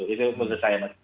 ini menurut saya